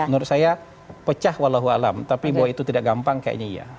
menurut saya pecah walau alam tapi bahwa itu tidak gampang kayaknya iya